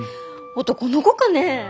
男の子かね？